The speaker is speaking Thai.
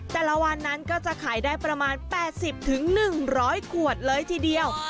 แต่ละวันนั้นก็จะขายได้ประมาณ๘๐๑๐๐ขวดเลยทีเดียว